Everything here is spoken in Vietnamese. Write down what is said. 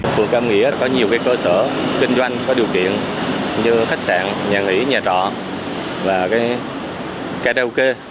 phường cam nghĩa có nhiều cơ sở kinh doanh có điều kiện như khách sạn nhà nghỉ nhà trọ và karaoke